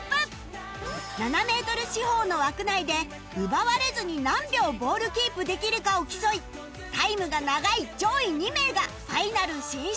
７メートル四方の枠内で奪われずに何秒ボールキープできるかを競いタイムが長い上位２名がファイナル進出